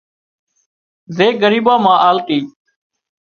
زي ڳريٻان مان آلتي